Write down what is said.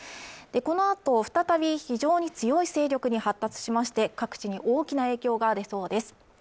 このあと再び非常に強い勢力に発達しまして各地に大きな影響が出そうです